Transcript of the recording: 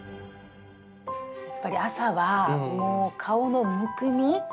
やっぱり朝はもう顔のむくみ？